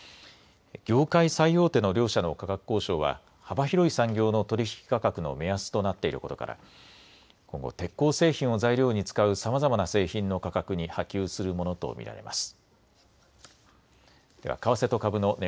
業界最大手の両社の価格交渉は幅広い産業の取り引き価格の目安となっていることから今後、鉄鋼製品を材料に使うさまざまな製品の価格に波及するものと見られます。